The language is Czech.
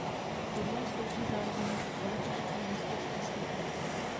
Turnaj slouží zároveň jako kvalifikace na Mistrovství světa.